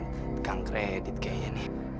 tekang kredit kayaknya nih